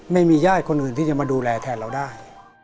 ไม่มีญาติคนอื่นที่จะมาดูแลแทนเราได้